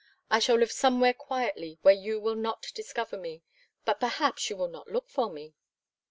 I shall live somewhere quietly where you will not discover me. But perhaps you will not look for me?"